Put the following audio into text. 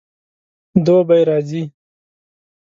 دوبی راځي